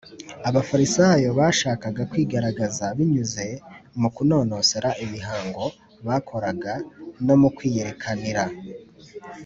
abafarisayo bashakaga kwigaragaza binyuze mu kunonosora imihango bakoraga no mu kwiyerekanira